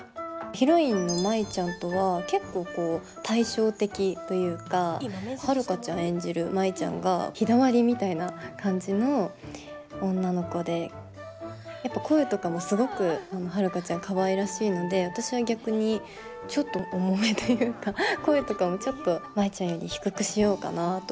ヒロインの舞ちゃんとは結構対照的というか遥ちゃん演じる舞ちゃんが日だまりみたいな感じの女の子でやっぱ声とかもすごく遥ちゃんかわいらしいので私は逆にちょっと重めというか声とかもちょっと舞ちゃんより低くしようかなとか。